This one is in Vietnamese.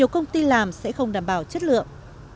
công ty làm sẽ không đảm bảo chất lượng